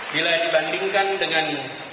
bila dibandingkan dengan